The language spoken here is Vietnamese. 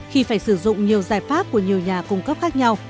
khi phải sử dụng nhiều giải pháp của nhiều nhà cung cấp khác nhau